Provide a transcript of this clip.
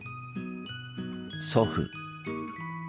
祖父。